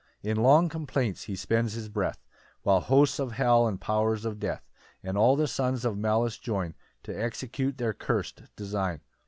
2 In long complaints he spends his breath, While hosts of hell, and powers of death, And all the sons of malice join To execute their curst design.